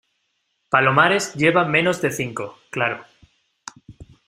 palomares lleva menos de cinco. claro .